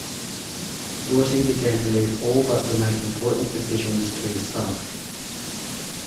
Yorty began to leave all but the most important decisions to his staff.